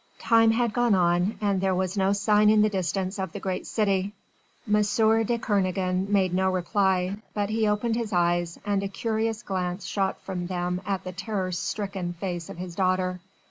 Time had gone on, and there was no sign in the distance of the great city. M. de Kernogan made no reply, but he opened his eyes and a curious glance shot from them at the terror stricken face of his daughter.